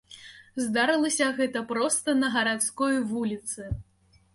Здарылася гэта проста на гарадской вуліцы.